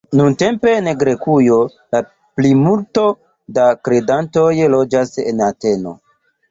Nuntempe en Grekujo la plimulto da kredantoj loĝas en Ateno.